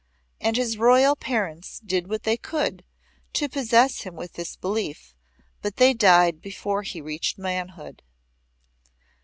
And his royal parents did what they could to possess him with this belief, but they died before he reached manhood.